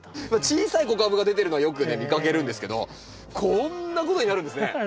小さい子株が出てるのはよく見かけるんですけどこんなことになるんですね。